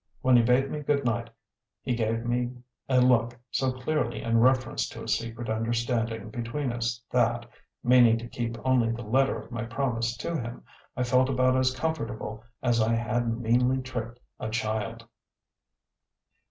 When he bade me good night he gave me a look so clearly in reference to a secret understanding between us that, meaning to keep only the letter of my promise to him, I felt about as comfortable as if I had meanly tricked a child.